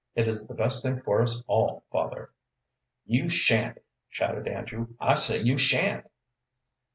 It is the best thing for us all, father." "You sha'n't!" shouted Andrew. "I say you sha'n't!"